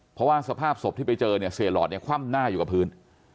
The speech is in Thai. เพราะว่าสภาพศพที่ไปเจอเนี่ยเสียหลอดเนี่ยคว่ำหน้าอยู่กับพื้น